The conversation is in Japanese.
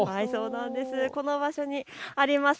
この場所にあります